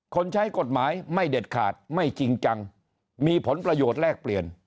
ใช้กฎหมายไม่เด็ดขาดไม่จริงจังมีผลประโยชน์แลกเปลี่ยน